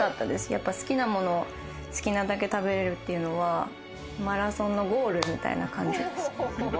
やっぱ好きなものを好きなだけ食べれるっていうのはマラソンのゴールみたいな感じです。